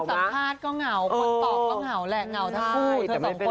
สัมภาษณ์ก็เหงาคนตอบก็เหงาแหละเหงาทั้งคู่